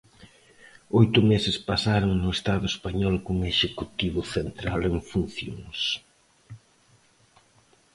Oito meses pasaron no Estado español cun Executivo central en funcións.